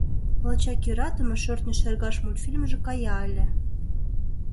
Лачак йӧратыме «Шӧртньӧ шергаш» мультфильмже кая ыле.